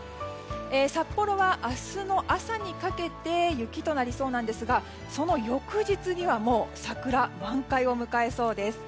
札幌は明日の朝にかけて雪となりそうなんですがその翌日にはもう桜が満開を迎えそうです。